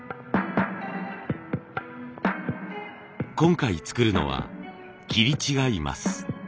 今回作るのは切り違い枡。